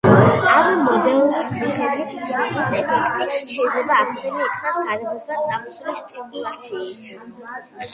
ამ მოდელის მიხედვით, ფლინის ეფექტი შეიძლება ახსნილი იქნას გარემოსგან წამოსული სტიმულაციით.